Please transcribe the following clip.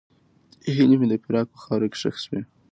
هیلې مې د فراق په خاوره کې ښخې شوې.